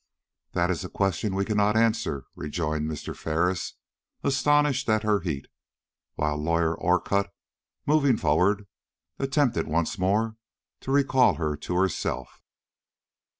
"That is a question we cannot answer," rejoined Mr. Ferris, astonished at her heat, while Lawyer Orcutt, moving forward, attempted once more to recall her to herself.